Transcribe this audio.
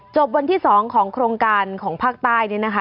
วันที่๒ของโครงการของภาคใต้เนี่ยนะคะ